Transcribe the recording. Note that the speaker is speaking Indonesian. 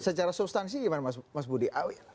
secara substansi gimana mas budi